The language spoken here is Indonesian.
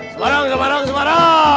semarang semarang semarang